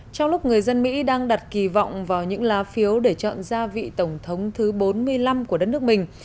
trong lúc người dân mỹ đang đặt kỳ vọng vào những lá phiếu để chọn gia vị tổng thống thứ bốn mươi năm của đất nước mình